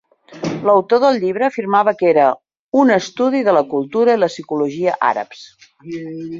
L'autor del llibre afirmava que era un "estudi de la cultura i la psicologia àrabs".